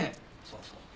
そうそう。